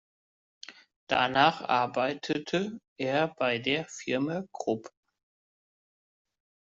Danach arbeitete er bei der Firma Krupp.